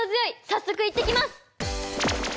早速行ってきます！